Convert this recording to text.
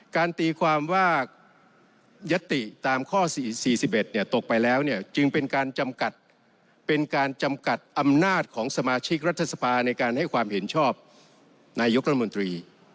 การตีความว่ายัตติตามข้อ๔๑ตกไปแล้วจึงเป็นการจำกัดอำนาจของสมาชิกรัฐศภาในการให้ความเห็นชอบในยกรมนตรี